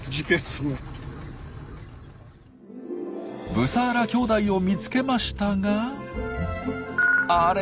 ブサーラ兄弟を見つけましたがあれ？